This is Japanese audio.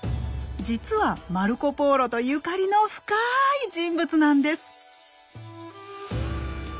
実はマルコ・ポーロとゆかりの深い人物なんです。